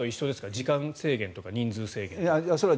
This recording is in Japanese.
時間制限とか人数制限は。